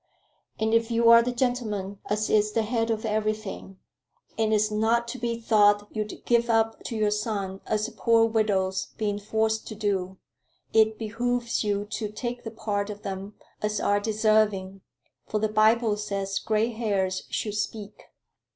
And if you're the gentleman as is the head of everything and it's not to be thought you'd give up to your son as a poor widow's been forced to do it behooves you to take the part of them as are deserving; for the Bible says gray hairs should speak."